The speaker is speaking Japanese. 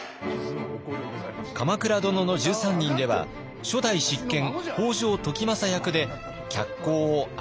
「鎌倉殿の１３人」では初代執権北条時政役で脚光を浴びました。